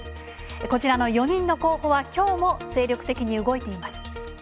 こちらの４人の候補は、きょうも精力的に動いています。